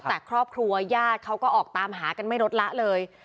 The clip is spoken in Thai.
แต่ครอบครัวญาติเขาก็ออกตามหากันไม่ลดละเลย